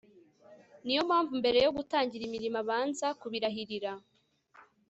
ni yo mpamvu mbere yo gutangira imirimo abanza kubirahirira